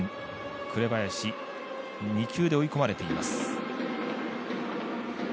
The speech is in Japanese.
紅林、２球で追い込まれています。